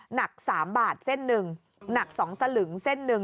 หนัก๓บาทเส้นหนึ่งหนัก๒สลึงเส้นหนึ่ง